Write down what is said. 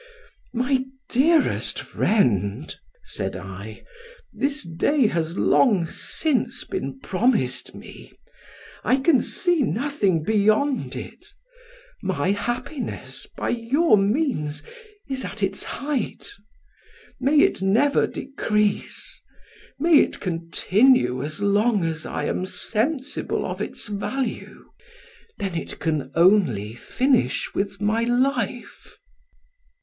"My dearest friend," said I, "this day has long since been promised me: I can see nothing beyond it: my happiness, by your means, is at its height; may it never decrease; may it continue as long as I am sensible of its value then it can only finish with my life."